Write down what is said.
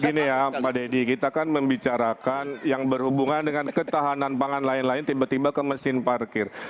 gini ya pak deddy kita kan membicarakan yang berhubungan dengan ketahanan pangan lain lain tiba tiba ke mesin parkir